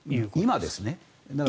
今ですね。